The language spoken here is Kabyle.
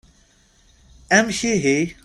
Amek ihi!